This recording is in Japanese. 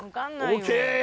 ＯＫ。